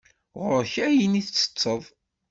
Ɣur-k ayen i ttetteḍ.